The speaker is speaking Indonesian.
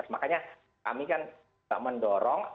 makanya kami kan mendorong